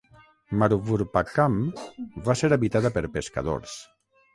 Maruvurpakkam va ser habitada per pescadors.